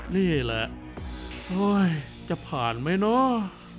นี่แหละโอ๊ยจะผ่านไหมเนาะ